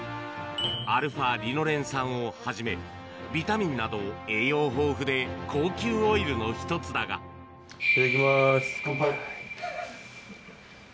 アルファリノレン酸をはじめ、ビタミンなど栄養豊富で高級オイいただきまーす。乾杯。